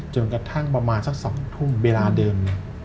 จนกระทั่งประมาณสัก๒ทุ่มเวลาเดิม